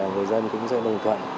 người dân cũng rất đồng thuận